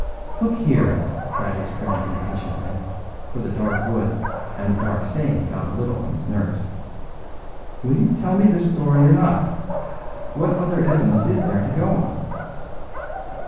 "Look here," cried his friend impatiently, for the dark wood and the dark saying got a little on his nerves; "will you tell me this story or not? What other evidence is there to go on?"